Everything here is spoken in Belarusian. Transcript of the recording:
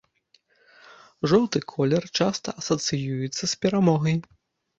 Жоўты колер часта асацыюецца з перамогай.